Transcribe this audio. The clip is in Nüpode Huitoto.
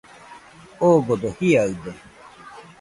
Odogo jiaɨde